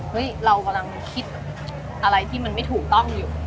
เรากำลังคิดอะไรที่มันไม่ถูกต้องอยู่